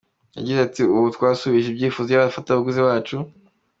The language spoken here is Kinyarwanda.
Yagize ati “Ubu twasubije ibyifuzo by’abafatabuguzi bacu.